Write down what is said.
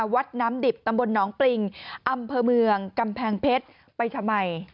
วัดน้ำดิบตำบลหนองปริงอำเภอเมืองกำแพงเพชรไปทำไม